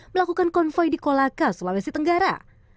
melakukan konvoy di kolaka sulawesi tenggara